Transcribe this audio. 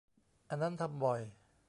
อันนั้นทำบ่อย.